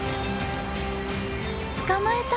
捕まえた！